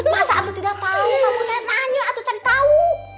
masa atu tidak tau kamu tanya nanya atu cari tau